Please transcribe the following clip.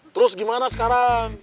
terus gimana sekarang